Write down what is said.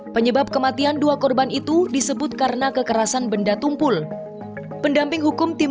penyebab kematian dua korban itu disebut karena kekerasan benda tumpul pendamping hukum tim